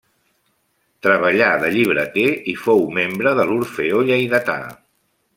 Treballà de llibreter i fou membre de l'Orfeó Lleidatà.